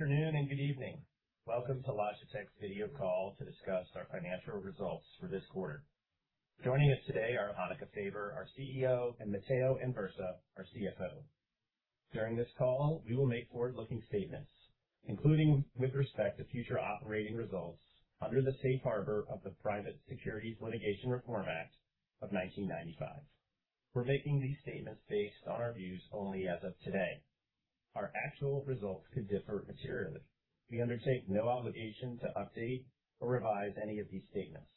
Afternoon and good evening. Welcome to Logitech's Video Call to discuss our financial results for this quarter. Joining us today are Hanneke Faber, our CEO, and Matteo Anversa, our CFO. During this call, we will make forward-looking statements, including with respect to future operating results under the safe harbor of the Private Securities Litigation Reform Act of 1995. We're making these statements based on our views only as of today. Our actual results could differ materially. We undertake no obligation to update or revise any of these statements.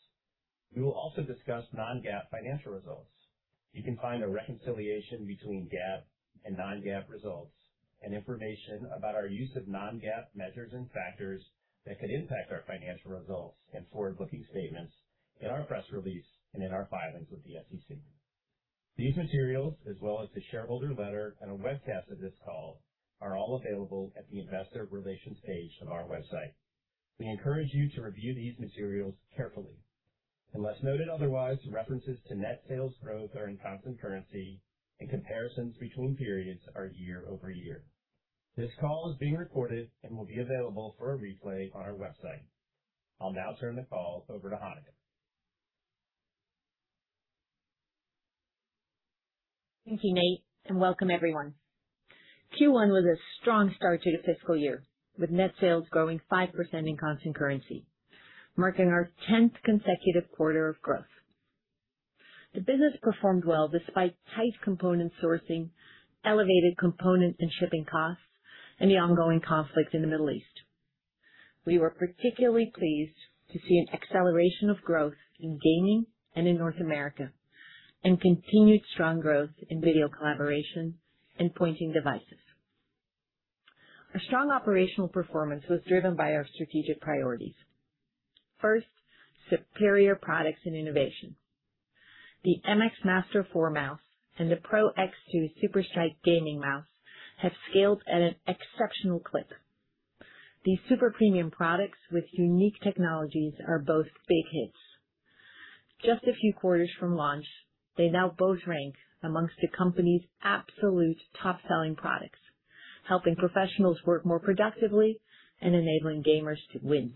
We will also discuss non-GAAP financial results. You can find a reconciliation between GAAP and non-GAAP results and information about our use of non-GAAP measures and factors that could impact our financial results and forward-looking statements in our press release and in our filings with the SEC. These materials, as well as the shareholder letter and a webcast of this call, are all available at the investor relations page on our website. We encourage you to review these materials carefully. Unless noted otherwise, references to net sales growth are in constant currency and comparisons between periods are year-over-year. This call is being recorded and will be available for a replay on our website. I'll now turn the call over to Hanneke. Thank you, Nate and welcome everyone. Q1 was a strong start to the fiscal year, with net sales growing 5% in constant currency, marking our tenth consecutive quarter of growth. The business performed well despite tight component sourcing, elevated component and shipping costs, and the ongoing conflict in the Middle East. We were particularly pleased to see an acceleration of growth in gaming and in North America, and continued strong growth in video collaboration and pointing devices. Our strong operational performance was driven by our strategic priorities. First, superior products and innovation. The MX Master 4 mouse and the PRO X 2 SUPERLIGHT gaming mouse have scaled at an exceptional clip. These super premium products with unique technologies are both big hits. Just a few quarters from launch, they now both rank amongst the company's absolute top-selling products, helping professionals work more productively and enabling gamers to win.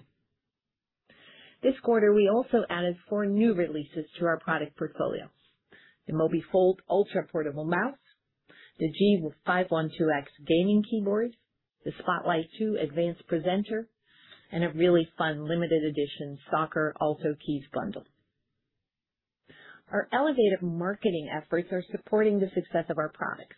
This quarter, we also added four new releases to our product portfolio. The Mobi Fold ultra-portable mouse, the G512 X gaming keyboard, the Spotlight 2 advanced presenter, and a really fun limited edition soccer Ultrakeys bundle. Our elevated marketing efforts are supporting the success of our products.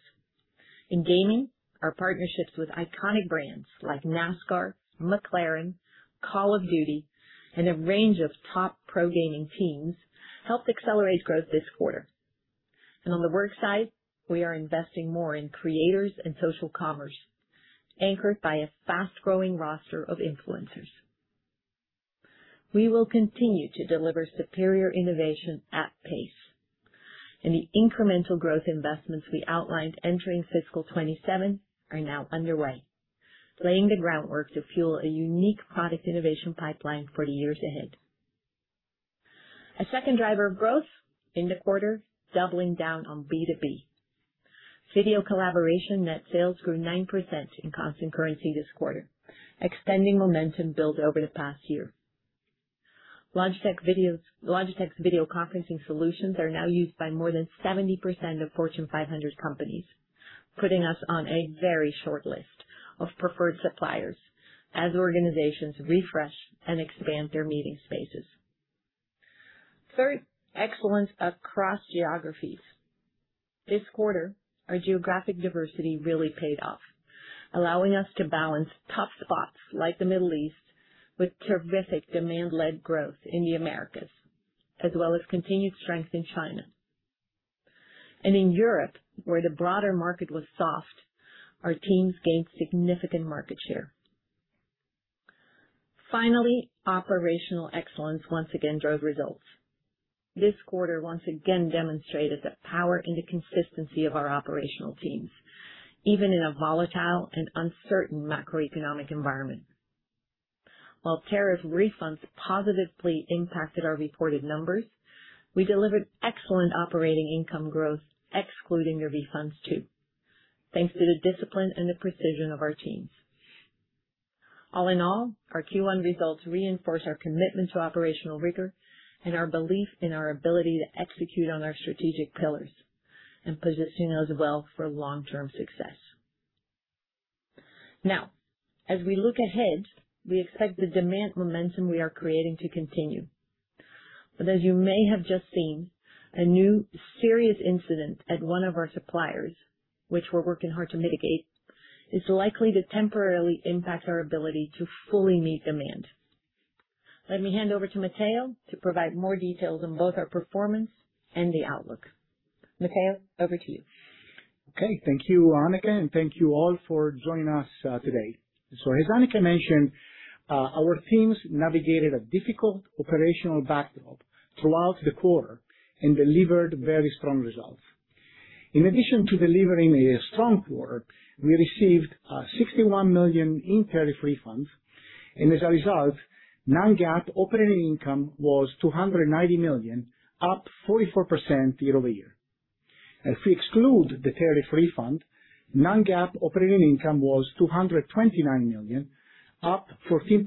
In gaming, our partnerships with iconic brands like NASCAR, McLaren, Call of Duty, and a range of top pro gaming teams helped accelerate growth this quarter. On the work side, we are investing more in creators and social commerce, anchored by a fast-growing roster of influencers. We will continue to deliver superior innovation at pace, and the incremental growth investments we outlined entering fiscal 2027 are now underway, laying the groundwork to fuel a unique product innovation pipeline for the years ahead. A second driver of growth in the quarter, doubling down on B2B. Video collaboration net sales grew 9% in constant currency this quarter, extending momentum built over the past year. Logitech's video conferencing solutions are now used by more than 70% of Fortune 500 companies, putting us on a very short list of preferred suppliers as organizations refresh and expand their meeting spaces. Third, excellence across geographies. This quarter, our geographic diversity really paid off, allowing us to balance tough spots like the Middle East with terrific demand-led growth in the Americas, as well as continued strength in China. In Europe, where the broader market was soft, our teams gained significant market share. Finally, operational excellence once again drove results. This quarter once again demonstrated the power and the consistency of our operational teams, even in a volatile and uncertain macroeconomic environment. While tariff refunds positively impacted our reported numbers, we delivered excellent operating income growth, excluding the refunds too, thanks to the discipline and the precision of our teams. All in all, our Q1 results reinforce our commitment to operational rigor and our belief in our ability to execute on our strategic pillars and position us well for long-term success. As we look ahead, we expect the demand momentum we are creating to continue. As you may have just seen, a new serious incident at one of our suppliers, which we're working hard to mitigate, is likely to temporarily impact our ability to fully meet demand. Let me hand over to Matteo to provide more details on both our performance and the outlook. Matteo, over to you. Okay. Thank you, Hanneke, and thank you all for joining us today. As Hanneke mentioned, our teams navigated a difficult operational backdrop throughout the quarter and delivered very strong results. In addition to delivering a strong quarter, we received a 61 million in tariff refunds, and as a result, non-GAAP operating income was 290 million, up 44% year-over-year. If we exclude the tariff refund, non-GAAP operating income was 229 million, up 14%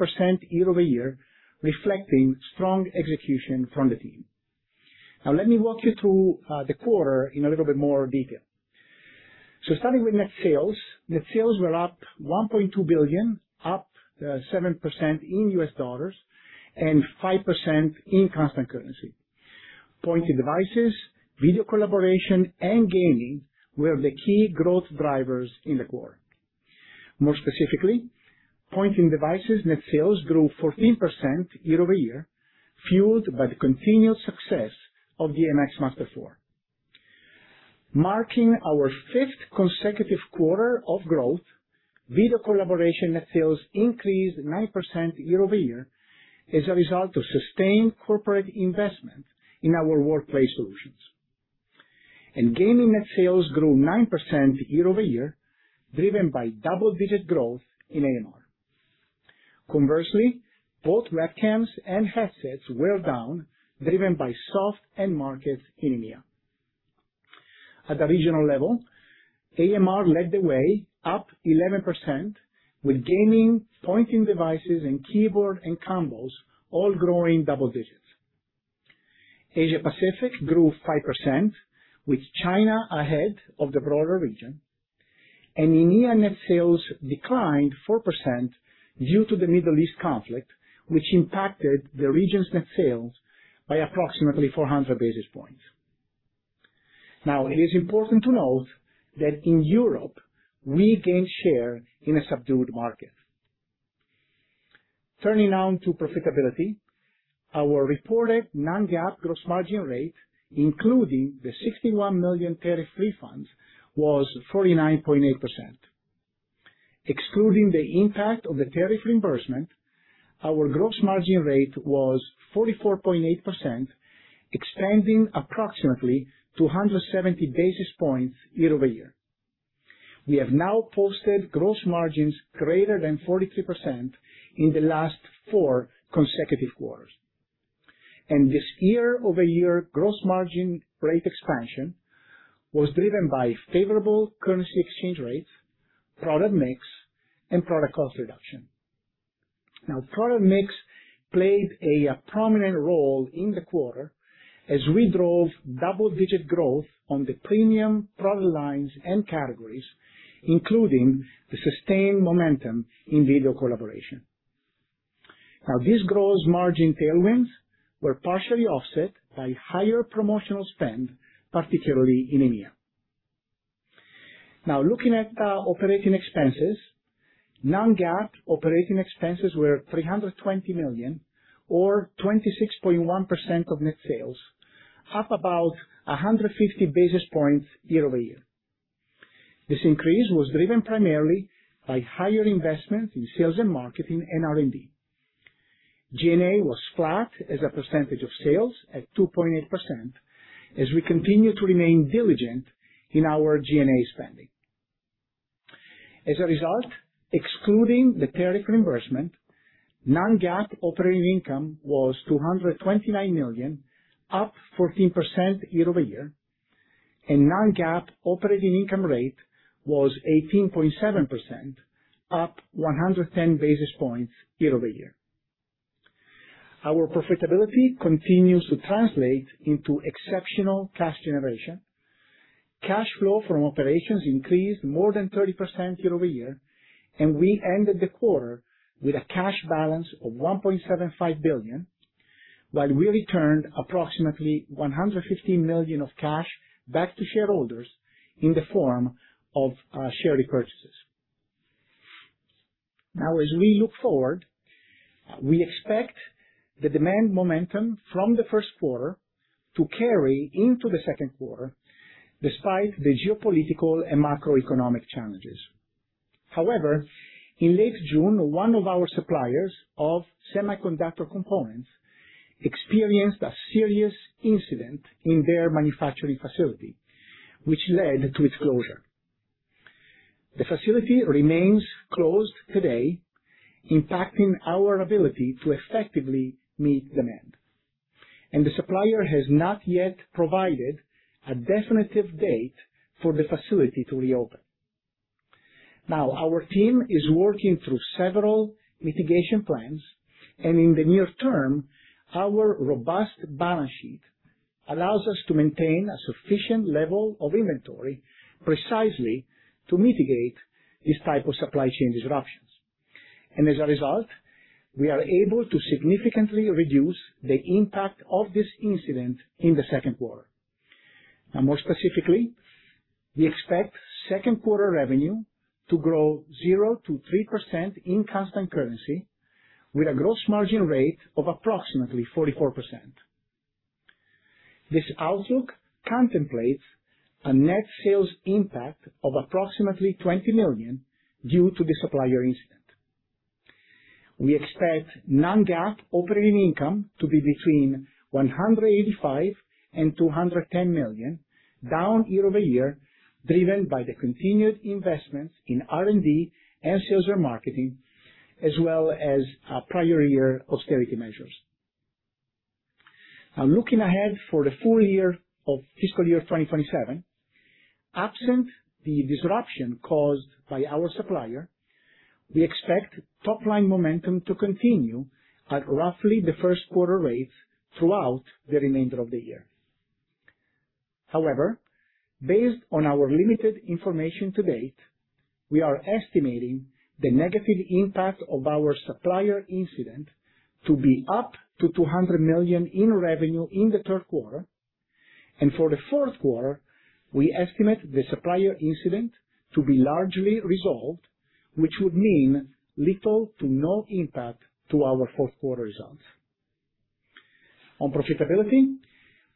year-over-year, reflecting strong execution from the team. Let me walk you through the quarter in a little bit more detail. Starting with net sales. Net sales were up $1.2 billion, up 7% in US dollars and 5% in constant currency. Pointing devices, video collaboration, and gaming were the key growth drivers in the quarter. More specifically, pointing devices net sales grew 14% year-over-year, fueled by the continued success of the MX Master 4. Marking our fifth consecutive quarter of growth, video collaboration net sales increased 9% year-over-year as a result of sustained corporate investment in our workplace solutions. Gaming net sales grew 9% year-over-year, driven by double-digit growth in Americas. Conversely, both webcams and headsets were down, driven by soft end markets in EMEA. At the regional level, Americas led the way, up 11%, with gaming, pointing devices, and keyboard and combos all growing double digits. Asia-Pacific grew 5%, with China ahead of the broader region. EMEA net sales declined 4% due to the Middle East conflict, which impacted the region's net sales by approximately 400 basis points. It is important to note that in Europe, we gained share in a subdued market. Turning now to profitability. Our reported non-GAAP gross margin rate, including the 61 million tariff refund, was 49.8%. Excluding the impact of the tariff reimbursement, our gross margin rate was 44.8%, expanding approximately 270 basis points year-over-year. We have now posted gross margins greater than 43% in the last four consecutive quarters. This year-over-year gross margin rate expansion was driven by favorable currency exchange rates, product mix, and product cost reduction. Product mix played a prominent role in the quarter as we drove double-digit growth on the premium product lines and categories, including the sustained momentum in video collaboration. These gross margin tailwinds were partially offset by higher promotional spend, particularly in EMEA. Looking at operating expenses. Non-GAAP operating expenses were 320 million or 26.1% of net sales, up about 150 basis points year-over-year. This increase was driven primarily by higher investments in sales and marketing and R&D. G&A was flat as a percentage of sales at 2.8% as we continue to remain diligent in our G&A spending. As a result, excluding the tariff reimbursement, non-GAAP operating income was 229 million, up 14% year-over-year, and non-GAAP operating income rate was 18.7%, up 110 basis points year-over-year. Our profitability continues to translate into exceptional cash generation. Cash flow from operations increased more than 30% year-over-year, and we ended the quarter with a cash balance of 1.75 billion, while we returned approximately 115 million of cash back to shareholders in the form of share repurchases. As we look forward, we expect the demand momentum from the first quarter to carry into the second quarter despite the geopolitical and macroeconomic challenges. However, in late June, one of our suppliers of semiconductor components experienced a serious incident in their manufacturing facility, which led to its closure. The facility remains closed today, impacting our ability to effectively meet demand. The supplier has not yet provided a definitive date for the facility to reopen. Our team is working through several mitigation plans, and in the near term, our robust balance sheet allows us to maintain a sufficient level of inventory precisely to mitigate these type of supply chain disruptions. As a result, we are able to significantly reduce the impact of this incident in the second quarter. More specifically, we expect second quarter revenue to grow 0% - 3% in constant currency with a gross margin rate of approximately 44%. This outlook contemplates a net sales impact of approximately 20 million due to the supplier incident. We expect non-GAAP operating income to be between 185 million and 210 million, down year-over-year, driven by the continued investments in R&D and sales and marketing, as well as prior year austerity measures. Looking ahead for the full year of fiscal year 2027, absent the disruption caused by our supplier, we expect top-line momentum to continue at roughly the first quarter rates throughout the remainder of the year. However, based on our limited information to date, we are estimating the negative impact of our supplier incident to be up to 200 million in revenue in the third quarter. For the fourth quarter, we estimate the supplier incident to be largely resolved, which would mean little to no impact to our fourth quarter results. On profitability,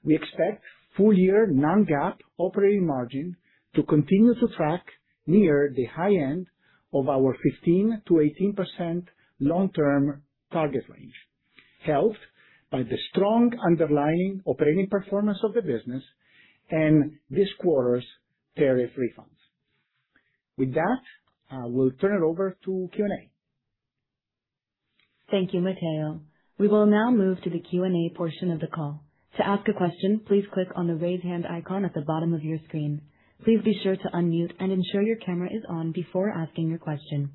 we expect full year non-GAAP operating margin to continue to track near the high end of our 15%-18% long-term target range, helped by the strong underlying operating performance of the business and this quarter's tariff refunds. With that, I will turn it over to Q&A. Thank you, Matteo. We will now move to the Q&A portion of the call. To ask a question, please click on the raise hand icon at the bottom of your screen. Please be sure to unmute and ensure your camera is on before asking your question.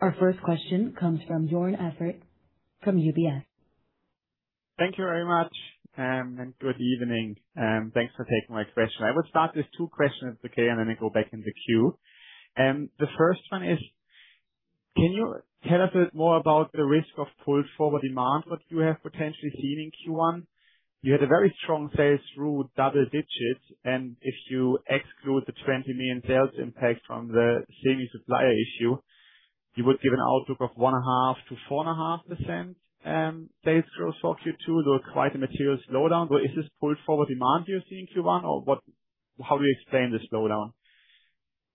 Our first question comes from Joern Iffert from UBS. Thank you very much. Good evening. Thanks for taking my question. I would start with two questions, okay. Then I go back in the queue. The first one is, can you tell us a bit more about the risk of pulled forward demand that you have potentially seen in Q1? You had a very strong sales through double digits, and if you exclude the 20 million sales impact from the semi supplier issue, you would give an outlook of 1.5%-4.5% sales growth for Q2. Quite a material slowdown. Is this pulled forward demand you're seeing in Q1, or how do you explain the slowdown?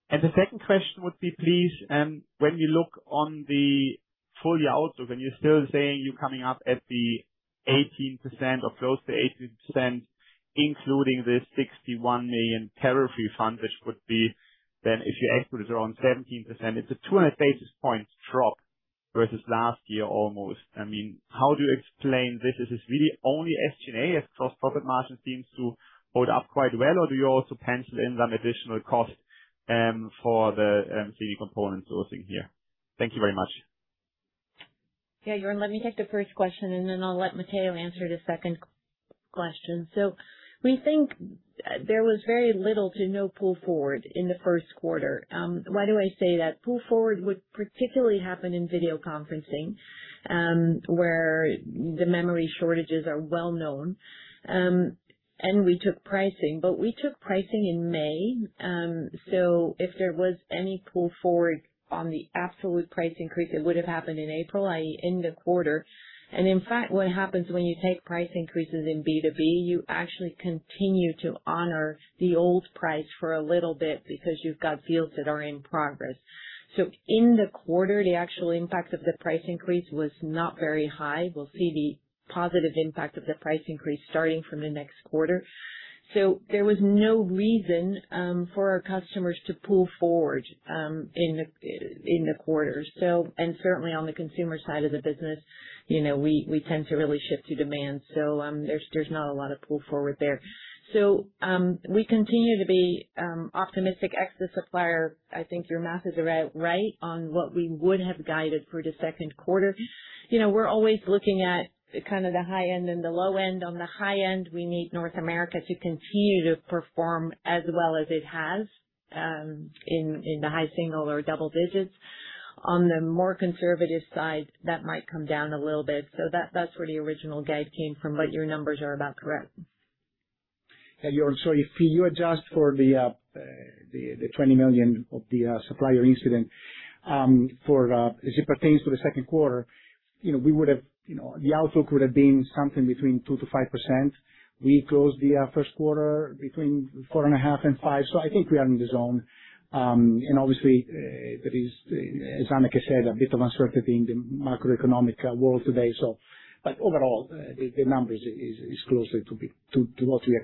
The second question would be, please, when you look on the full year outlook and you're still saying you're coming up at the 18% or close to 18%, including the 61 million tariff refund, which would be then if you exclude it, around 17%, it's a 200 basis points drop versus last year almost. How do you explain this? Is this really only SG&A as gross profit margin seems to hold up quite well? Do you also pencil in some additional cost for the semi component sourcing here? Thank you very much. Joern, let me take the first question, then I'll let Matteo answer the second question. We think there was very little to no pull forward in the first quarter. Why do I say that? Pull forward would particularly happen in video conferencing, where the memory shortages are well known. We took pricing, but we took pricing in May. If there was any pull forward on the absolute price increase, it would have happened in April, i.e., end of quarter. In fact, what happens when you take price increases in B2B, you actually continue to honor the old price for a little bit because you've got deals that are in progress. In the quarter, the actual impact of the price increase was not very high. We'll see the positive impact of the price increase starting from the next quarter. There was no reason for our customers to pull forward in the quarter. Certainly, on the consumer side of the business, we tend to really ship to demand. There's not a lot of pull forward there. We continue to be optimistic ex the supplier. I think your math is about right on what we would have guided for the second quarter. We're always looking at the high end and the low end. On the high end, we need North America to continue to perform as well as it has in the high single or double digits. On the more conservative side, that might come down a little bit. That's where the original guide came from, but your numbers are about correct. Joern, sorry. If you adjust for the 20 million of the supplier incident as it pertains to the second quarter, the outlook would have been something between 2%-5%. We closed the first quarter between 4.5% and 5%, I think we are in the zone. Obviously, there is, as Hanneke said, a bit of uncertainty in the macroeconomic world today. Overall, the number is closer to what we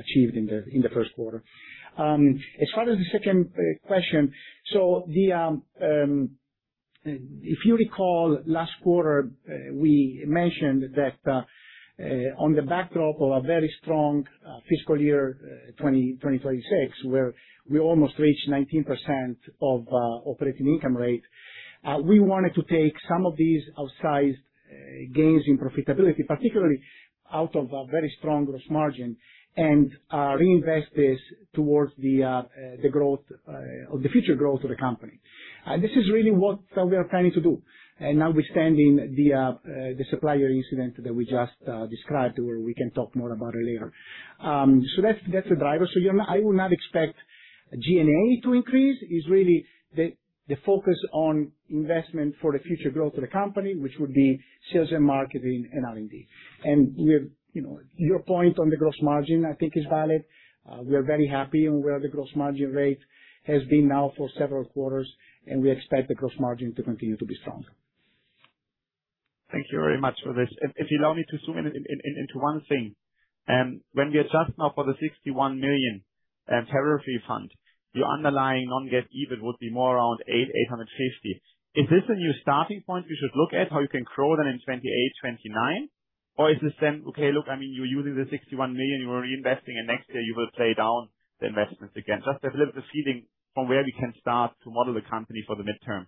achieved in the first quarter. As far as the second question, if you recall last quarter, we mentioned that on the backdrop of a very strong fiscal year 2026, where we almost reached 19% of operating income rate. We wanted to take some of these outsized gains in profitability, particularly out of a very strong gross margin, and reinvest this towards the future growth of the company. This is really what we are planning to do, notwithstanding the supplier incident that we just described, where we can talk more about it later. That's the driver. I would not expect G&A to increase. It's really the focus on investment for the future growth of the company, which would be sales and marketing and R&D. Your point on the gross margin, I think, is valid. We are very happy on where the gross margin rate has been now for several quarters, we expect the gross margin to continue to be strong. Thank you very much for this. If you allow me to zoom in into one thing. When we adjust now for the 61 million tariff fund, your underlying non-GAAP, even would be more around 850. Is this a new starting point we should look at how you can grow that in 2028, 2029? Is this then, okay, look, you're using the 61 million you were reinvesting, and next year you will pay down the investments again. Just a little bit of feeling from where we can start to model the company for the midterm.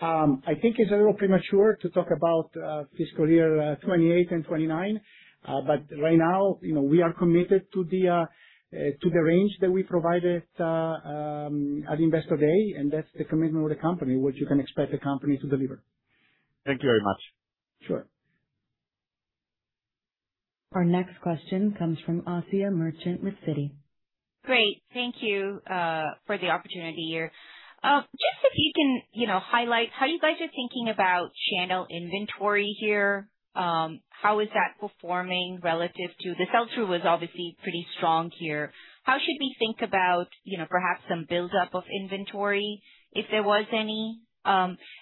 I think it's a little premature to talk about fiscal year 2028 and 2029. Right now, we are committed to the range that we provided at Investor Day, and that's the commitment with the company, which you can expect the company to deliver. Thank you very much. Sure. Our next question comes from Asiya Merchant with Citi. Great. Thank you for the opportunity here. If you can highlight how you guys are thinking about channel inventory here. How is that performing? The sell-through was obviously pretty strong here. How should we think about perhaps some buildup of inventory, if there was any?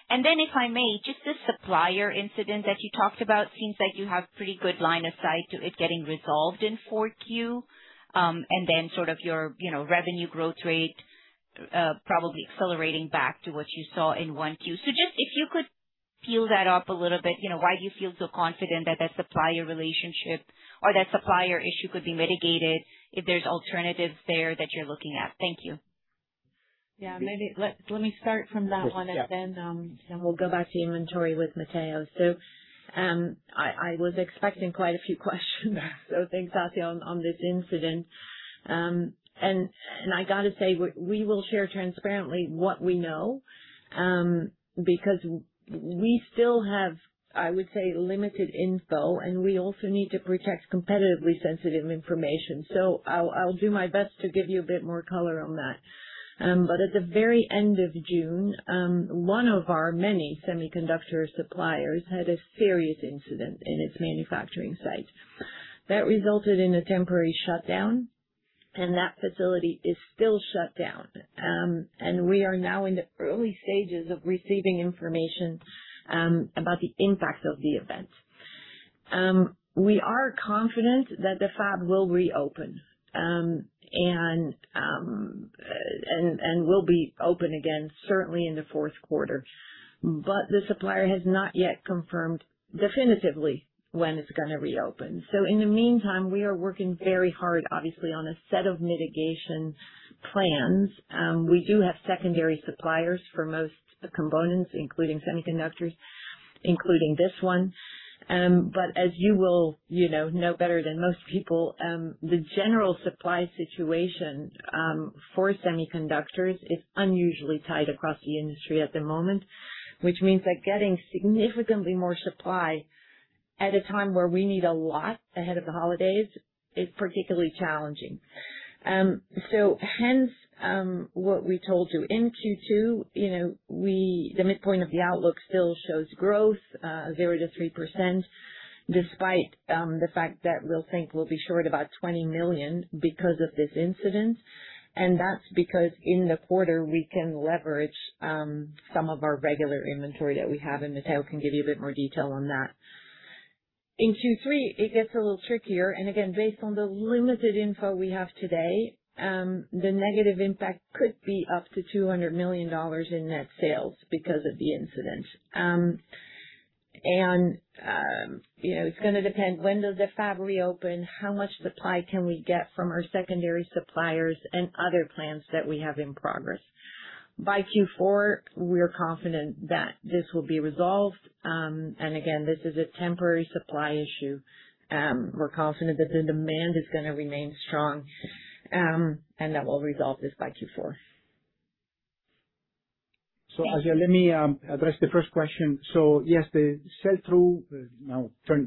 If I may, the supplier incident that you talked about seems like you have pretty good line of sight to it getting resolved in Q4, then sort of your revenue growth rate probably accelerating back to what you saw in Q1. If you could peel that up a little bit, why do you feel so confident that that supplier relationship or that supplier issue could be mitigated if there's alternatives there that you're looking at? Thank you. Let me start from that one, then we'll go back to inventory with Matteo. I was expecting quite a few questions. Thanks, Asiya, on this incident. I got to say, we will share transparently what we know, because we still have, I would say, limited info, and we also need to protect competitively sensitive information. I'll do my best to give you a bit more color on that. At the very end of June, one of our many semiconductor suppliers had a serious incident in its manufacturing site that resulted in a temporary shutdown, and that facility is still shut down. We are now in the early stages of receiving information about the impact of the event. We are confident that the fab will reopen, and will be open again, certainly in fourth quarter. The supplier has not yet confirmed definitively when it's going to reopen. In the meantime, we are working very hard, obviously, on a set of mitigation plans. We do have secondary suppliers for most components, including semiconductors, including this one. As you will know better than most people, the general supply situation for semiconductors is unusually tight across the industry at the moment, which means that getting significantly more supply at a time where we need a lot ahead of the holidays is particularly challenging. Hence what we told you. In Q2, the midpoint of the outlook still shows growth of 0%-3%, despite the fact that we think we'll be short about 20 million because of this incident. That's because in the quarter we can leverage some of our regular inventory that we have, and Matteo can give you a bit more detail on that. In Q3, it gets a little trickier, and again, based on the limited info we have today, the negative impact could be up to CHF 200 million in net sales because of the incident. It's going to depend, when does the fab reopen? How much supply can we get from our secondary suppliers and other plans that we have in progress? By Q4, we're confident that this will be resolved. Again, this is a temporary supply issue. We're confident that the demand is going to remain strong, and that we'll resolve this by Q4. Asiya, let me address the first question. Yes, the sell-through,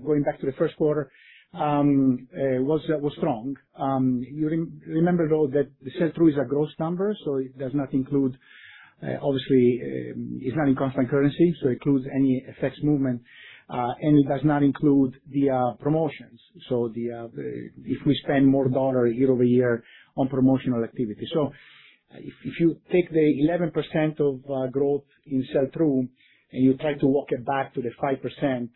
going back to the first quarter, was strong. Remember, though, that the sell-through is a gross number, it does not include, obviously it's not in constant currency, so it includes any FX movement. It does not include the promotions. If we spend more CHF year-over-year on promotional activity. If you take the 11% of growth in sell-through, and you try to walk it back to the 5%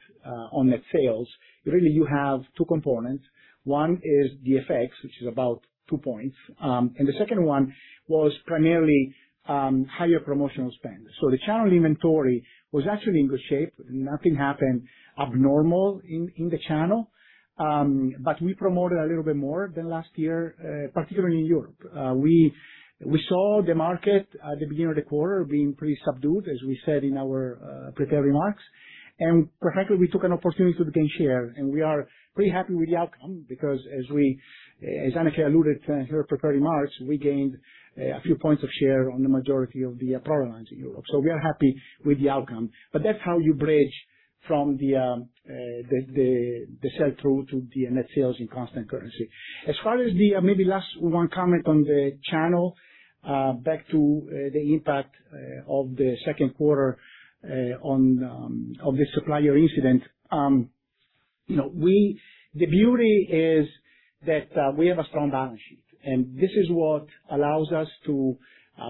on net sales, really you have two components. One is the FX, which is about two points, and the second one was primarily higher promotional spend. The channel inventory was actually in good shape. Nothing happened abnormal in the channel. We promoted a little bit more than last year, particularly in Europe. We saw the market at the beginning of the quarter being pretty subdued, as we said in our prepared remarks. Frankly, we took an opportunity to gain share, and we are pretty happy with the outcome because as Hanneke alluded to in her prepared remarks, we gained a few points of share on the majority of the power lines in Europe. We are happy with the outcome. That's how you bridge from the sell-through to the net sales in constant currency. As far as the, maybe last one comment on the channel, back to the impact of the second quarter of the supplier incident. The beauty is that we have a strong balance sheet. This is what allows us to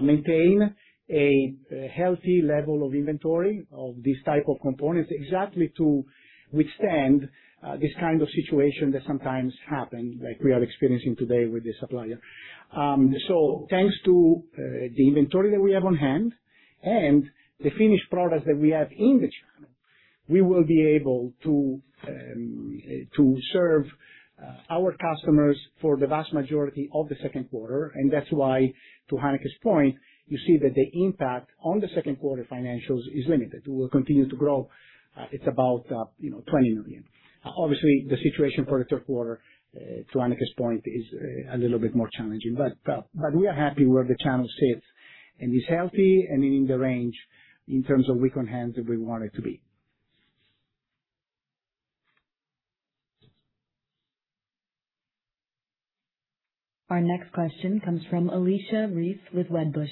maintain a healthy level of inventory of these type of components, exactly to withstand this kind of situation that sometimes happen, like we are experiencing today with the supplier. Thanks to the inventory that we have on hand and the finished products that we have in the channel, we will be able to serve our customers for the vast majority of the second quarter. That's why, to Hanneke's point, you see that the impact on the second quarter financials is limited. We will continue to grow. It's about 20 million. Obviously, the situation for the third quarter, to Hanneke's point, is a little bit more challenging. We are happy where the channel sits, and it's healthy and in the range in terms of weeks on hand that we want it to be. Our next question comes from Alicia Reese with Wedbush.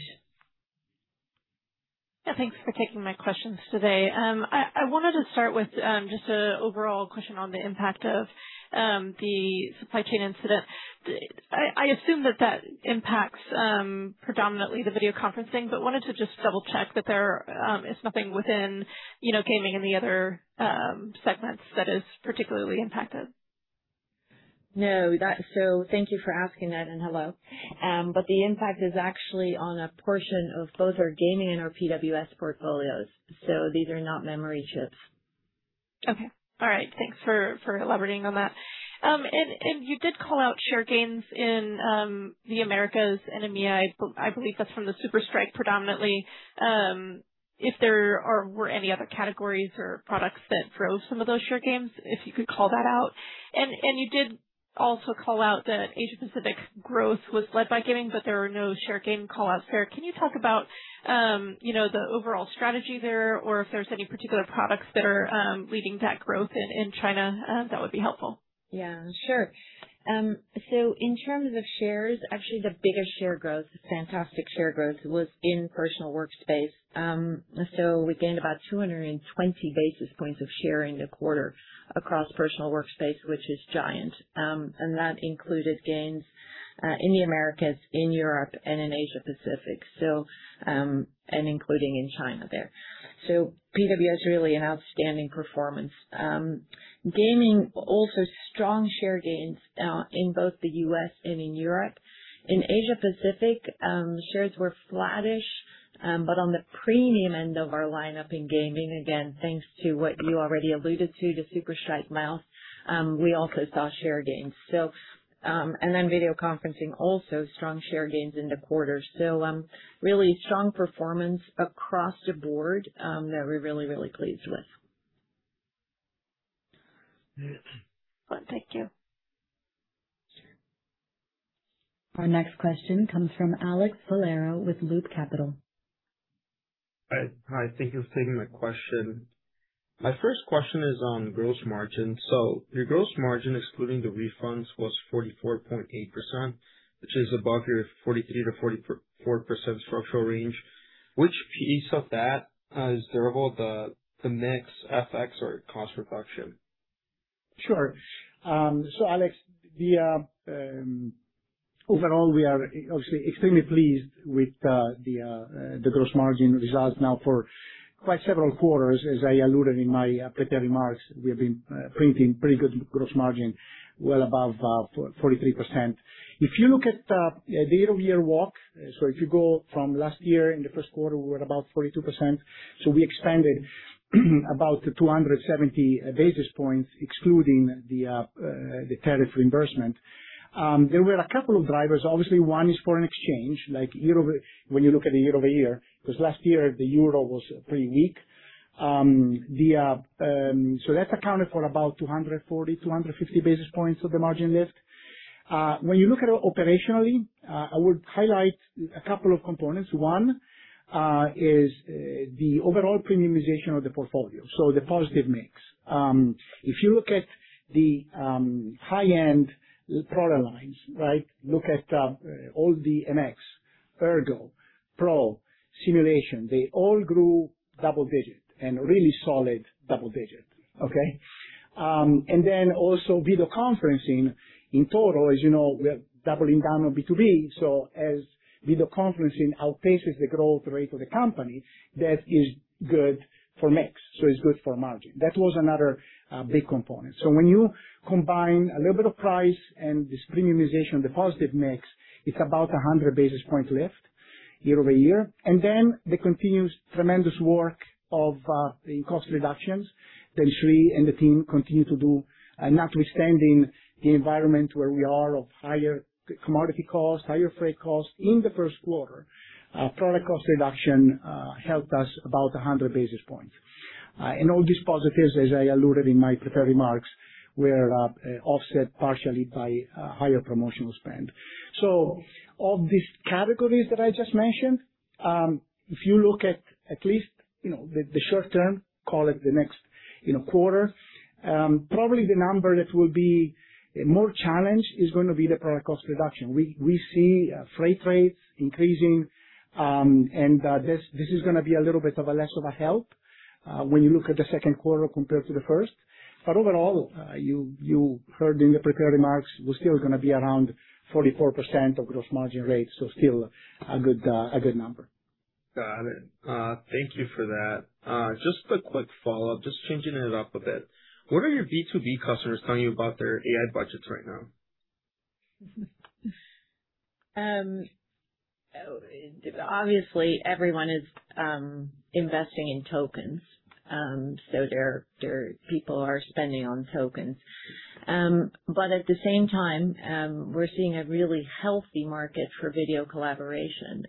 Yeah, thanks for taking my questions today. I wanted to start with just a overall question on the impact of the supply chain incident. I assume that that impacts predominantly the video conferencing, but wanted to just double-check that there is nothing within gaming and the other segments that is particularly impacted. No. Thank you for asking that, and hello. The impact is actually on a portion of both our gaming and our PWS portfolios. These are not memory chips. Okay. All right. Thanks for elaborating on that. You did call out share gains in the Americas and EMEA, I believe that's from the SUPERLIGHT predominantly. If there were any other categories or products that drove some of those share gains, if you could call that out? You did also call out that Asia Pacific's growth was led by gaming, there were no share gain call-outs there. Can you talk about the overall strategy there, or if there's any particular products that are leading that growth in China? That would be helpful. Yeah, sure. In terms of shares, actually the biggest share growth, fantastic share growth, was in personal workspace. We gained about 220 basis points of share in the quarter across personal workspace, which is giant. That included gains in the Americas, in Europe, and in Asia Pacific. Including in China there. PWS really an outstanding performance. Gaming, also strong share gains in both the U.S. and in Europe. In Asia Pacific, shares were flattish, on the premium end of our lineup in gaming, again, thanks to what you already alluded to, the SUPERLIGHT mouse, we also saw share gains. Video conferencing, also strong share gains in the quarter. Really strong performance across the board that we're really, really pleased with. Thank you. Sure. Our next question comes from Alex Faleiro with Loup Capital. Hi, thank you for taking my question. My first question is on gross margin. Your gross margin, excluding the refunds, was 44.8%, which is above your 43%-44% structural range. Which piece of that is drivable, the mix FX or cost reduction? Sure. Alex, overall, we are obviously extremely pleased with the gross margin results now for quite several quarters. As I alluded in my prepared remarks, we have been printing pretty good gross margin, well above 43%. If you look at the year-over-year walk, if you go from last year in the first quarter, we were at about 42%. We expanded about 270 basis points excluding the tariff reimbursement. There were a couple of drivers. Obviously, one is foreign exchange, when you look at the year-over-year, because last year the euro was pretty weak. That accounted for about 240, 250 basis points of the margin lift. When you look at it operationally, I would highlight a couple of components. One is the overall premiumization of the portfolio. The positive mix. If you look at the high-end product lines, right? Look at all the MX, Ergo, Pro, Simulation, they all grew double digit, and really solid double digit. Okay? Then also video conferencing in total, as you know, we are doubling down on B2B. As video conferencing outpaces the growth rate of the company, that is good for mix, so it's good for margin. That was another big component. When you combine a little bit of price and this premiumization, the positive mix, it's about 100 basis points lift year-over-year. The continuous tremendous work of the cost reductions that Sree and the team continue to do, notwithstanding the environment where we are of higher commodity costs, higher freight costs in the first quarter. Product cost reduction helped us about 100 basis points. All these positives, as I alluded in my prepared remarks, were offset partially by higher promotional spend. Of these categories that I just mentioned, if you look at least the short term, call it the next quarter, probably the number that will be more challenged is going to be the product cost reduction. We see freight rates increasing, and this is going to be a little bit of a less of a help when you look at the second quarter compared to the first. Overall, you heard in the prepared remarks, we're still going to be around 44% of gross margin rates. Still a good number. Got it. Thank you for that. Just a quick follow-up, just changing it up a bit. What are your B2B customers telling you about their AI budgets right now? Obviously, everyone is investing in tokens, so their people are spending on tokens. At the same time, we're seeing a really healthy market for video collaboration.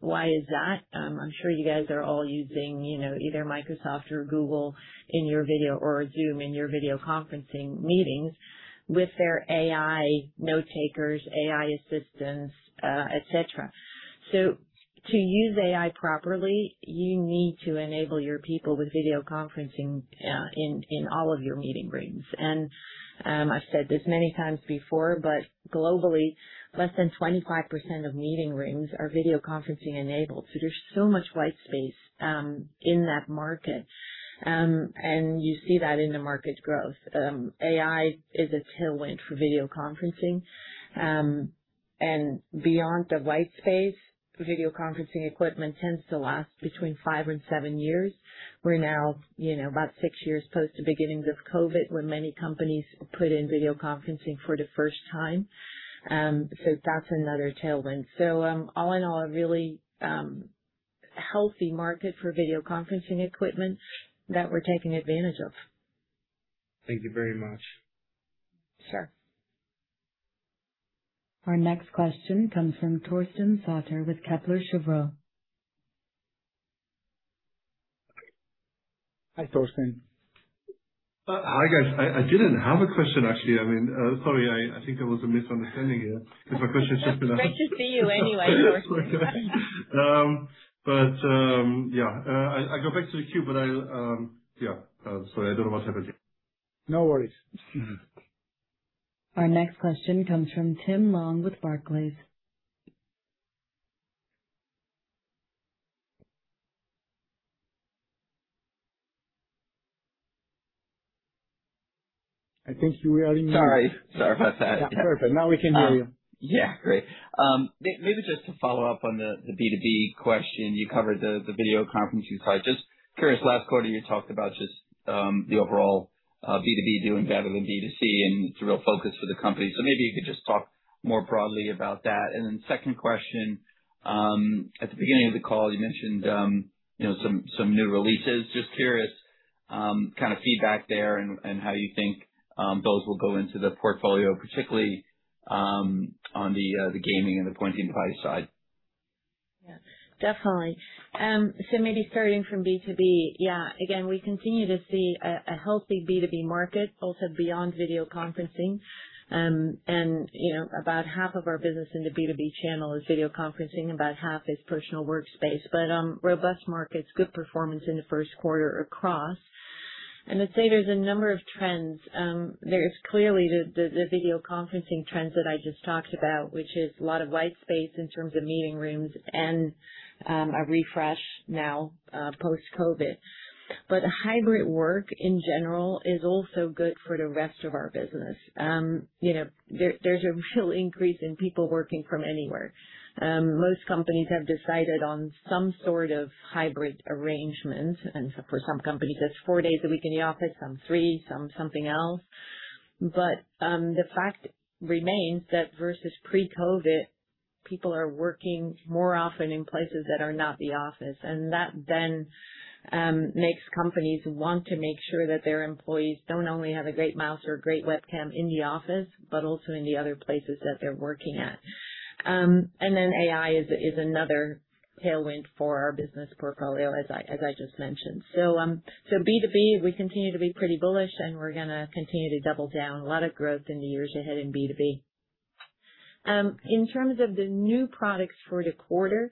Why is that? I'm sure you guys are all using either Microsoft or Google or Zoom in your video conferencing meetings with their AI note-takers, AI assistants, et cetera. To use AI properly, you need to enable your people with video conferencing in all of your meeting rooms. I've said this many times before, but globally, less than 25% of meeting rooms are video conferencing-enabled. There's so much white space in that market, and you see that in the market's growth. AI is a tailwind for video conferencing. Beyond the white space, video conferencing equipment tends to last between five and seven years. We're now about six years post the beginnings of COVID, when many companies put in video conferencing for the first time. That's another tailwind. All in all, a really healthy market for video conferencing equipment that we're taking advantage of. Thank you very much. Sure. Our next question comes from Torsten Sauter with Kepler Cheuvreux. Hi, Torsten. Hi, guys. I didn't have a question, actually. Sorry, I think there was a misunderstanding here, because my question's just been answered. It's nice to see you anyway, Torsten. I go back to the queue. Sorry, I don't know what's happened here. No worries. Our next question comes from Tim Long with Barclays. I think you were on mute. Sorry about that. Yeah, perfect. Now we can hear you. Yeah. Great. Maybe just to follow up on the B2B question. You covered the video conferencing side. Just curious, last quarter, you talked about just the overall B2B doing better than B2C and it's a real focus for the company. Maybe you could just talk more broadly about that. Second question, at the beginning of the call, you mentioned some new releases. Just curious, kind of feedback there and how you think those will go into the portfolio, particularly on the gaming and the pointing device side. Yeah, definitely. Maybe starting from B2B. Again, we continue to see a healthy B2B market also beyond video conferencing. About half of our business in the B2B channel is video conferencing, about half is personal workspace. Robust markets, good performance in the first quarter across. I'd say there's a number of trends. There's clearly the video conferencing trends that I just talked about, which is a lot of white space in terms of meeting rooms and a refresh now post-COVID. Hybrid work in general is also good for the rest of our business. There's a real increase in people working from anywhere. Most companies have decided on some sort of hybrid arrangement, and for some companies, that's four days a week in the office, some three, some something else. The fact remains that versus pre-COVID, people are working more often in places that are not the office. That then makes companies want to make sure that their employees don't only have a great mouse or a great webcam in the office, but also in the other places that they're working at. AI is another tailwind for our business portfolio, as I just mentioned. B2B, we continue to be pretty bullish, and we're going to continue to double down. A lot of growth in the years ahead in B2B. In terms of the new products for the quarter,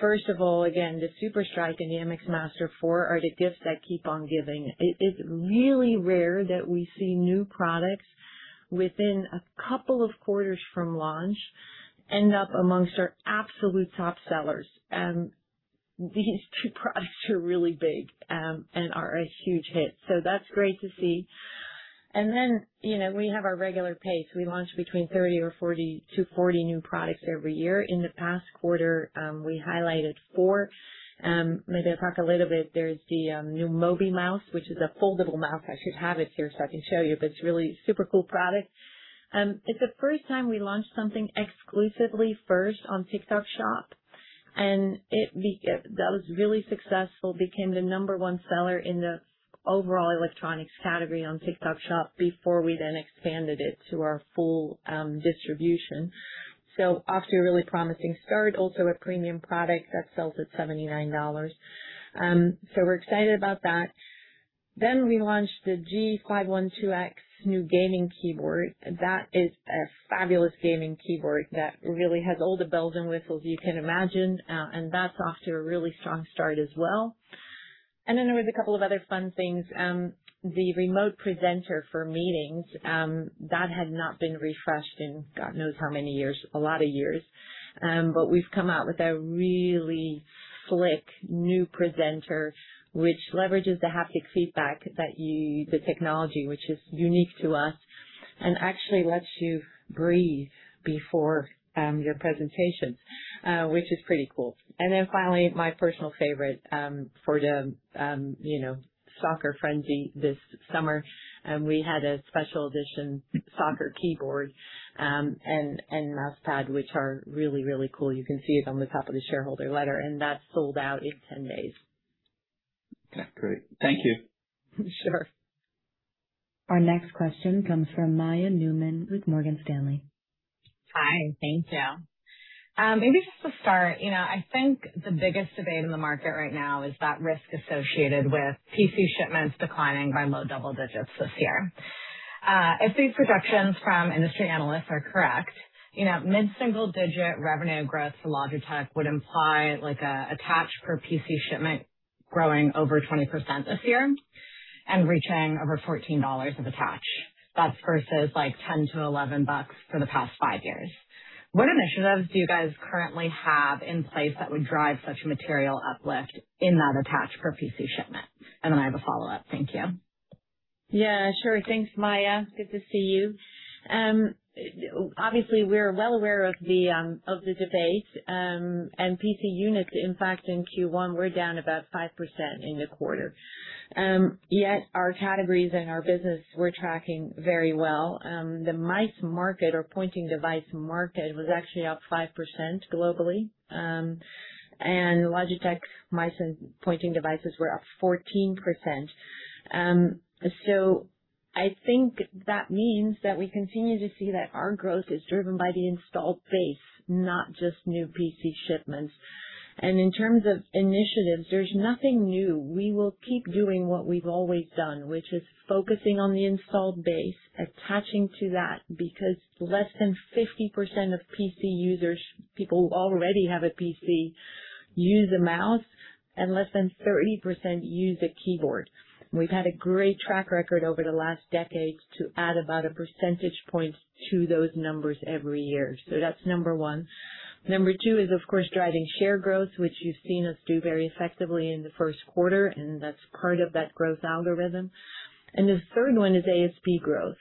first of all, again, the SUPERLIGHT and the MX Master 4 are the gifts that keep on giving. It's really rare that we see new products within a couple of quarters from launch end up amongst our absolute top sellers. These two products are really big and are a huge hit, that's great to see. We have our regular pace. We launch between 30 - 40 new products every year. In the past quarter, we highlighted four. Maybe I'll talk a little bit, there's the new Mobi Fold mouse, which is a foldable mouse. I should have it here so I can show you, it's really a super cool product. It's the first time we launched something exclusively first on TikTok Shop, that was really successful. Became the number 1 seller in the overall electronics category on TikTok Shop before we then expanded it to our full distribution. Off to a really promising start. Also a premium product that sells at CHF 79. We're excited about that. We launched the G512X new gaming keyboard. That is a fabulous gaming keyboard that really has all the bells and whistles you can imagine, and that's off to a really strong start as well. There was a couple of other fun things. The remote presenter for meetings, that had not been refreshed in [Seven years] how many years. A lot of years. We've come out with a really slick new presenter, which leverages the haptic feedback, the technology which is unique to us, and actually lets you breathe before your presentation, which is pretty cool. Finally, my personal favorite, for the soccer frenzy this summer, we had a special edition soccer keyboard, and mouse pad, which are really, really cool. You can see it on the top of the shareholder letter, and that sold out in 10 days. Okay, great. Thank you. Sure. Our next question comes from Maya Newman with Morgan Stanley. Hi. Thank you. Maybe just to start, I think the biggest debate in the market right now is that risk associated with PC shipments declining by low double digits this year. If these projections from industry analysts are correct, mid-single digit revenue growth for Logitech would imply like a attach per PC shipment growing over 20% this year and reaching over CHF 14 of attach. That's versus like 10 to CHF 11 for the past five years. What initiatives do you guys currently have in place that would drive such material uplift in that attach per PC shipment? I have a follow-up. Thank you. Yeah, sure. Thanks, Maya. Good to see you. Obviously, we're well aware of the debate. PC units, in fact, in Q1 were down about 5% in the quarter. Yet our categories and our business were tracking very well. The mice market or pointing device market was actually up 5% globally. Logitech mice and pointing devices were up 14%. I think that means that we continue to see that our growth is driven by the installed base, not just new PC shipments. In terms of initiatives, there's nothing new. We will keep doing what we've always done, which is focusing on the installed base, attaching to that, because less than 50% of PC users, people who already have a PC, use a mouse, and less than 30% use a keyboard. We've had a great track record over the last decade to add about a percentage point to those numbers every year. That's number one. Number two is, of course, driving share growth, which you've seen us do very effectively in the first quarter, and that's part of that growth algorithm. The third one is ASP growth.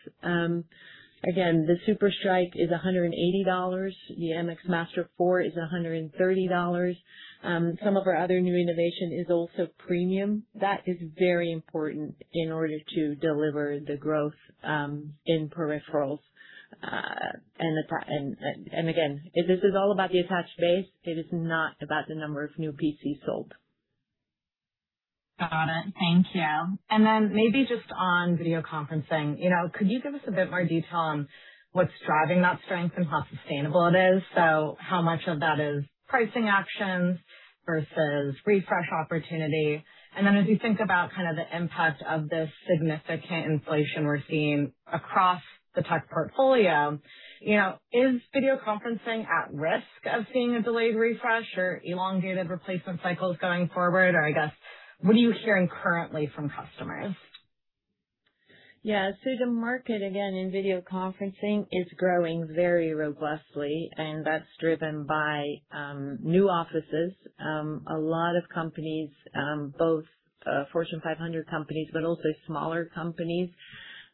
Again, the SUPERLIGHT is CHF 180. The MX Master 4 is CHF 130. Some of our other new innovation is also premium. That is very important in order to deliver the growth, in peripherals. Again, this is all about the attached base. It is not about the number of new PCs sold. Got it. Thank you. Maybe just on video conferencing, could you give us a bit more detail on what's driving that strength and how sustainable it is? How much of that is pricing actions versus refresh opportunity? As you think about kind of the impact of this significant inflation we're seeing across the tech portfolio, is video conferencing at risk of seeing a delayed refresh or elongated replacement cycles going forward? Or I guess, what are you hearing currently from customers? Yeah. The market, again, in video conferencing is growing very robustly, and that's driven by new offices. A lot of companies, both Fortune 500 companies, but also smaller companies,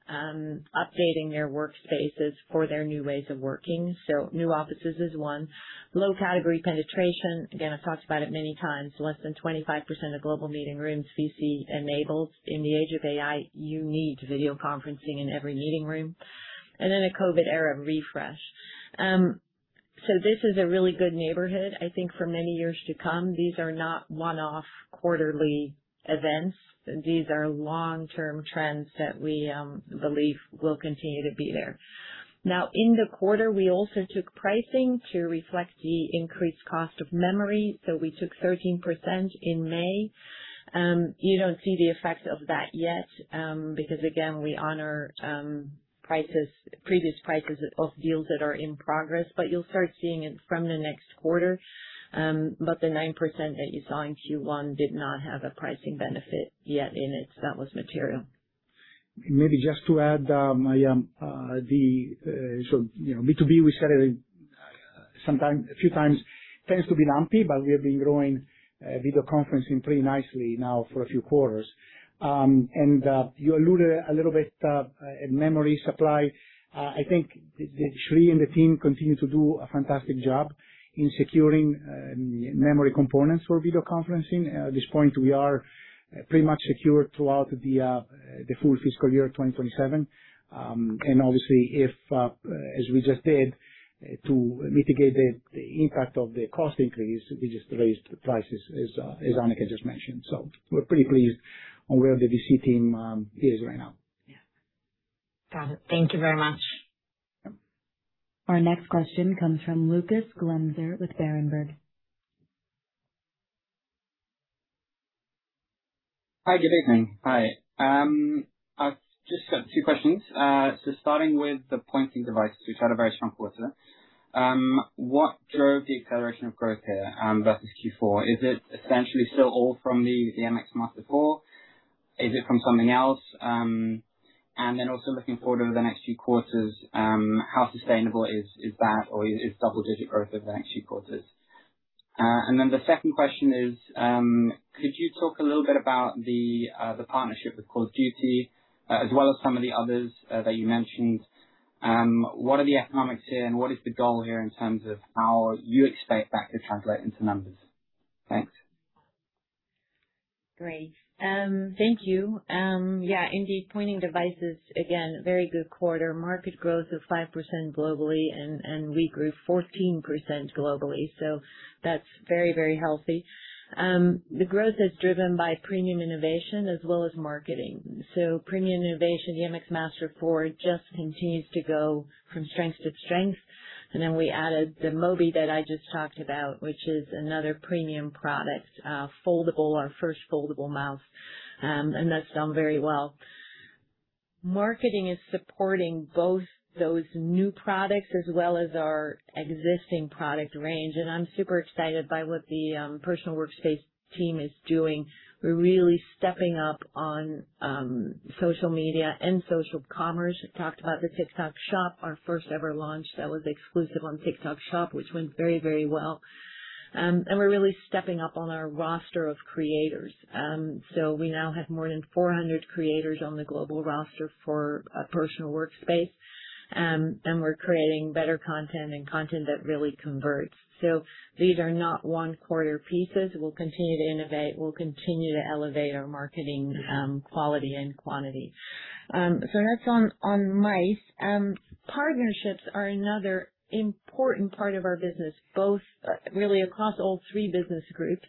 updating their workspaces for their new ways of working. New offices is one. Low category penetration, again, I've talked about it many times, less than 25% of global meeting rooms, PC enabled. In the age of AI, you need video conferencing in every meeting room. A COVID era refresh. This is a really good neighborhood, I think for many years to come. These are not one-off quarterly events. These are long-term trends that we believe will continue to be there. Now, in the quarter, we also took pricing to reflect the increased cost of memory. We took 13% in May. You don't see the effects of that yet, because again, we honor previous prices of deals that are in progress, but you'll start seeing it from the next quarter. The 9% that you saw in Q1 did not have a pricing benefit yet in it that was material. Maybe just to add, Maya, B2B, we said a few times tends to be lumpy, but we have been growing video conferencing pretty nicely now for a few quarters. You alluded a little bit, memory supply. I think Sree and the team continue to do a fantastic job in securing memory components for video conferencing. At this point, we are pretty much secure throughout the full fiscal year 2027. Obviously, as we just did to mitigate the impact of the cost increase, we just raised prices, as Hanneke just mentioned. We're pretty pleased on where the VC team is right now. Yeah. Got it. Thank you very much. Our next question comes from Lucas Oechslin with Berenberg. Hi, good evening. Hi. I've just got two questions. Starting with the pointing device, which had a very strong quarter. What drove the acceleration of growth here, versus Q4? Is it essentially still all from the MX Master 4? Is it from something else? Also looking forward over the next few quarters, how sustainable is that? Or is it double-digit growth over the next few quarters? The second question is, could you talk a little bit about the partnership with Call of Duty, as well as some of the others that you mentioned? What are the economics here, and what is the goal here in terms of how you expect that to translate into numbers? Thanks. Great. Thank you. Indeed, pointing devices, again, very good quarter. Market growth of 5% globally, and we grew 14% globally. That's very healthy. The growth is driven by premium innovation as well as marketing. Premium innovation, the MX Master 4, just continues to go from strength to strength. We added the Mobi that I just talked about, which is another premium product, our first foldable mouse. That's done very well. Marketing is supporting both those new products as well as our existing product range, and I'm super excited by what the personal workspace team is doing. We're really stepping up on social media and social commerce. We talked about the TikTok Shop, our first-ever launch that was exclusive on TikTok Shop, which went very well. We're really stepping up on our roster of creators. We now have more than 400 creators on the global roster for a personal workspace. We're creating better content and content that really converts. These are not one-quarter pieces. We'll continue to innovate. We'll continue to elevate our marketing quality and quantity. That's on mice. Partnerships are another important part of our business, both really across all three business groups.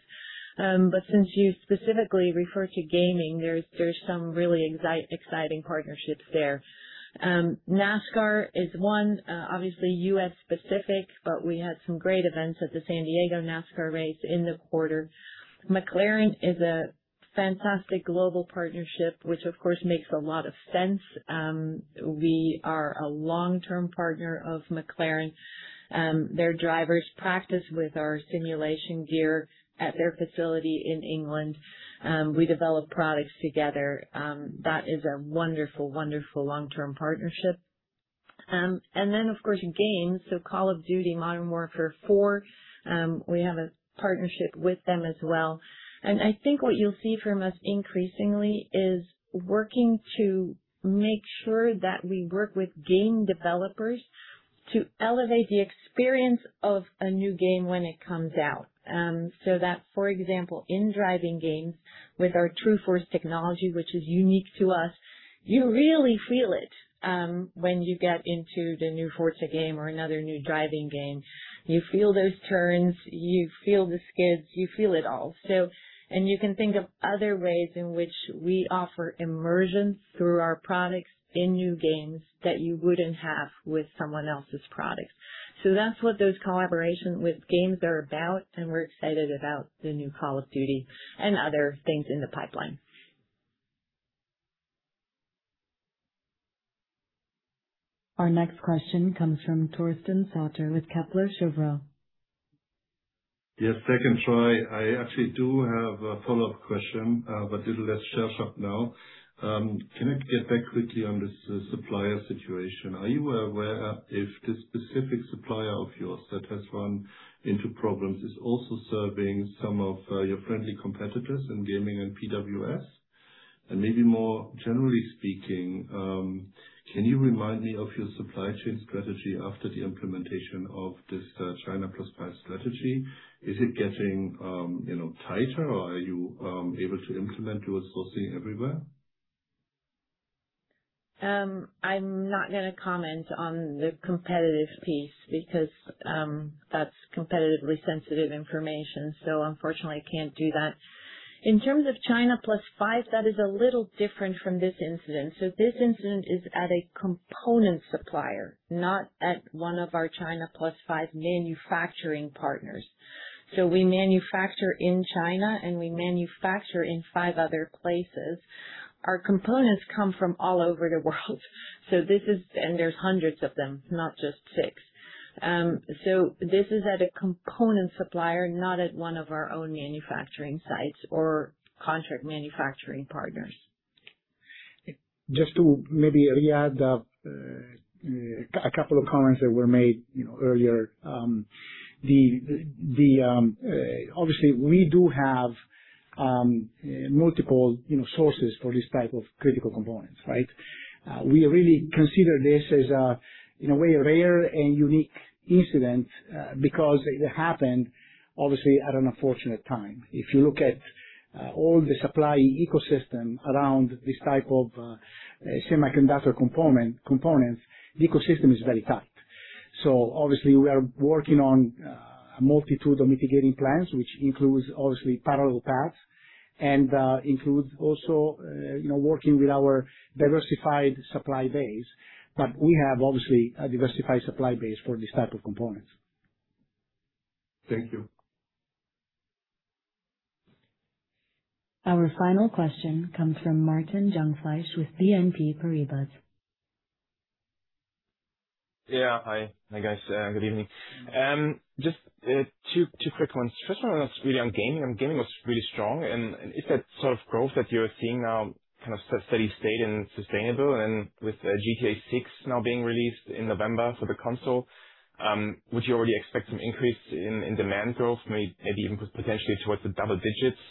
Since you specifically refer to gaming, there's some really exciting partnerships there. NASCAR is one, obviously U.S.-specific, but we had some great events at the San Diego NASCAR race in the quarter. McLaren is a fantastic global partnership, which of course, makes a lot of sense. We are a long-term partner of McLaren. Their drivers practice with our simulation gear at their facility in England. We develop products together. That is a wonderful long-term partnership. Of course, games, Call of Duty: Modern Warfare IV. We have a partnership with them as well. I think what you'll see from us increasingly is working to make sure that we work with game developers to elevate the experience of a new game when it comes out. That, for example, in driving games with our TrueForce technology, which is unique to us, you really feel it when you get into the new Forza game or another new driving game. You feel those turns, you feel the skids, you feel it all. You can think of other ways in which we offer immersion through our products in new games that you wouldn't have with someone else's products. That's what those collaborations with games are about, and we're excited about the new Call of Duty and other things in the pipeline. Our next question comes from Torsten Sauter with Kepler Cheuvreux. Yes, second try. I actually do have a follow-up question, but this is at Share Shop now. Can I get back quickly on this supplier situation? Are you aware if this specific supplier of yours that has run into problems is also serving some of your friendly competitors in gaming and PWS? Maybe more generally speaking, can you remind me of your supply chain strategy after the implementation of this China plus five strategy? Is it getting tighter, or are you able to implement your sourcing everywhere? I'm not going to comment on the competitive piece because that's competitively sensitive information. Unfortunately, I can't do that. In terms of China plus five, that is a little different from this incident. This incident is at a component supplier, not at one of our China plus five manufacturing partners. We manufacture in China, and we manufacture in five other places. Our components come from all over the world. There's hundreds of them, not just six. This is at a component supplier, not at one of our own manufacturing sites or contract manufacturing partners. Just to maybe re-add a couple of comments that were made earlier. Obviously, we do have multiple sources for this type of critical components, right? We really consider this as a, in a way, rare and unique incident because it happened, obviously, at an unfortunate time. If you look at all the supply ecosystem around this type of semiconductor components, the ecosystem is very tight. Obviously, we are working on a multitude of mitigating plans, which includes, obviously, parallel paths and includes also working with our diversified supply base. We have obviously a diversified supply base for these types of components. Thank you. Our final question comes from Martin Jungfleisch with BNP Paribas. Yeah. Hi guys. Good evening. Just two quick ones. First one was really on gaming. Gaming was really strong, is that sort of growth that you're seeing now steady state and sustainable? With GTA VI now being released in November for the console, would you already expect some increase in demand growth, maybe even potentially towards the double digits,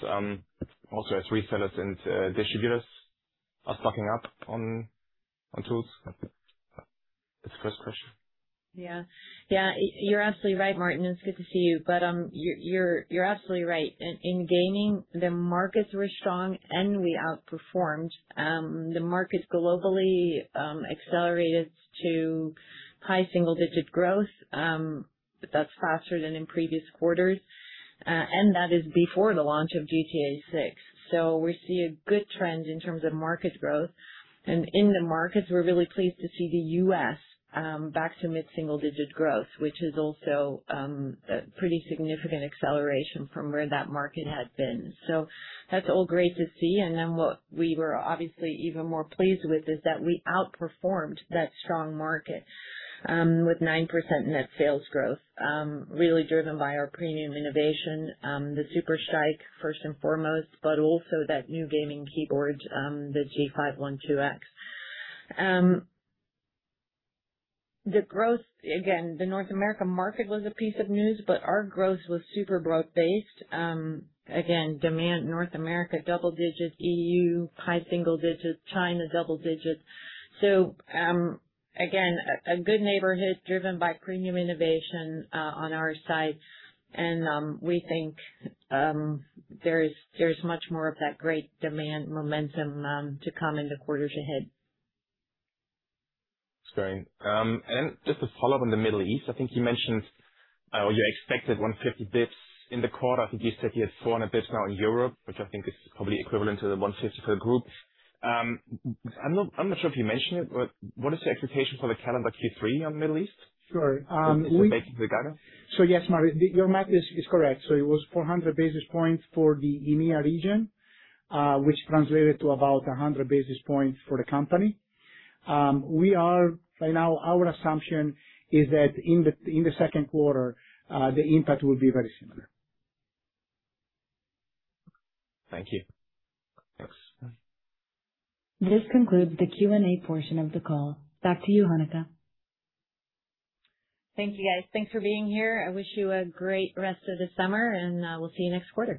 also as resellers and distributors are stocking up on tools? That's the first question. Yeah. You're absolutely right, Martin. It's good to see you. You're absolutely right. In gaming, the markets were strong, and we outperformed. The markets globally accelerated to high single-digit growth. That's faster than in previous quarters. That is before the launch of GTA VI. We see a good trend in terms of market growth. In the markets, we're really pleased to see the U.S. back to mid-single digit growth, which is also a pretty significant acceleration from where that market had been. That's all great to see. What we were obviously even more pleased with is that we outperformed that strong market with 9% net sales growth, really driven by our premium innovation, the SUPERLIGHT first and foremost, but also that new gaming keyboard, the G512 X. The North America market was a piece of news, but our growth was super broad-based. Demand North America double digits, EU high single digits, China double digits. A good neighborhood driven by premium innovation on our side. We think there is much more of that great demand momentum to come in the quarters ahead. That's great. Just to follow up on the Middle East, I think you mentioned you expected 150 basis points in the quarter. I think you said you had 400 basis points now in Europe, which I think is probably equivalent to the 150 for the group. I'm not sure if you mentioned it, but what is your expectation for the calendar Q3 on the Middle East? Sure. Is it basically data? Yes, Martin, your math is correct. It was 400 basis points for the EMEA region, which translated to about 100 basis points for the company. Right now our assumption is that in the second quarter, the impact will be very similar. Thank you. Thanks. This concludes the Q&A portion of the call. Back to you, Hanneke. Thank you, guys. Thanks for being here. I wish you a great rest of the summer, and we'll see you next quarter.